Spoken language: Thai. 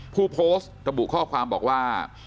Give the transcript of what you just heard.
ผู้โพสต์ระบุข้อความบอกว่า